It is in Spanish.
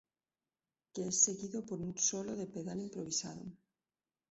Que es seguido por un solo de pedal improvisando.